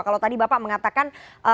kalau tadi bapak mengatakan